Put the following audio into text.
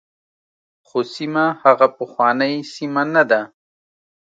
خو سیمه هغه پخوانۍ سیمه نه ده.